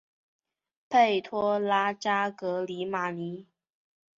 佩托拉扎格里马尼。